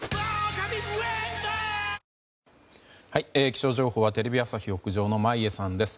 気象情報はテレビ朝日屋上の眞家さんです。